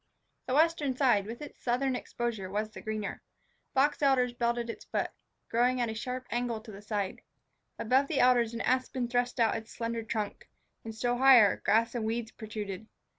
The western side, with its southern exposure, was the greener. Box elders belted its foot, growing at a sharp angle to the side. Above the elders an aspen thrust out its slender trunk, and, still higher, grass and weeds protruded.